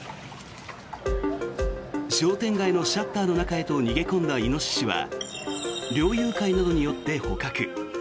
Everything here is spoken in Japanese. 商店街のシャッターの中へと逃げ込んだイノシシは猟友会などによって捕獲。